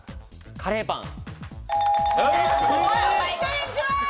カレーパン。